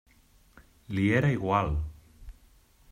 Li era igual!